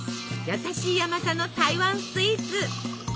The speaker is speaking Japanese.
優しい甘さの台湾スイーツ。